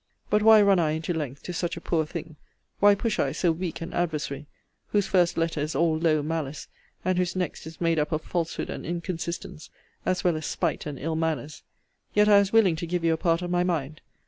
But why run I into length to such a poor thing? why push I so weak an adversary? whose first letter is all low malice, and whose next is made up of falsehood and inconsistence, as well as spite and ill manners! yet I was willing to give you a part of my mind.